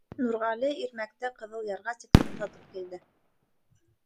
Нурғәле Ирмәкте Ҡыҙыл ярға тиклем оҙатып килде.